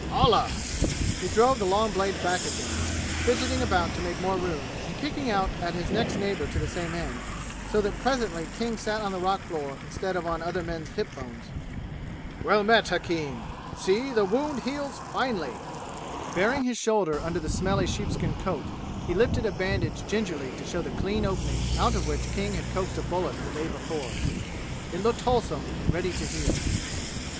"Allah!" He drove the long blade back again, fidgeting about to make more room and kicking out at his next neighbor to the same end, so that presently King sat on the rock floor instead of on other men's hip bones. "Well met, hakim! See the wound heals finely!" Baring his shoulder under the smelly sheepskin coat, he lifted a bandage gingerly to show the clean opening out of which King had coaxed a bullet the day before. It looked wholesome and ready to heal.